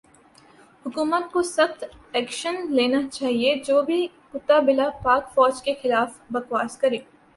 حکومت کو سخت ایکشن لینا چایئے جو بھی کتا بلا پاک فوج کے خلاف بکواس کرے